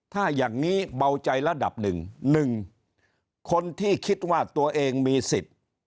ถ้าอย่างนี้เบาใจระดับหนึ่งหนึ่งคนที่คิดว่าตัวเองมีสิทธิ์